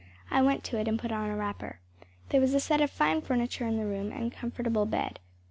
I went to it and put on a wrapper. There was a set of fine furniture in the room, and a comfortable bed.